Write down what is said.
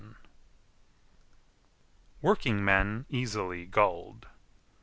] WORKINGMEN EASILY GULLED.